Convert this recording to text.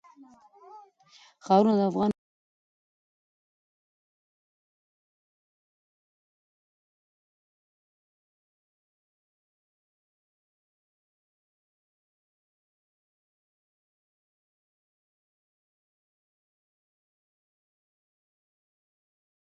ازادي راډیو د کډوال په اړه د خلکو وړاندیزونه ترتیب کړي.